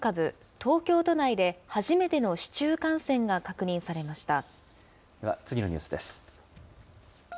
東京都内で初めての市中感染が確では、次のニュースです。